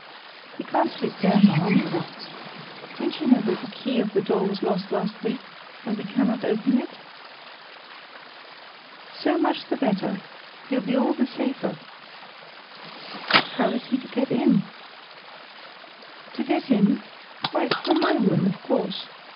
"He can't sleep there, ma'am. Don't you know that the key of the door was lost last week, and we cannot open it?" "So much the better. He'll be all the safer." "But how is he to get in?" "To get in? Why, through my room, of course.